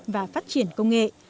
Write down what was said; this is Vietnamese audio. và phát triển công nghệ